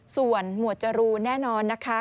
ส่วนหมวดจรูนแน่นอนนะคะ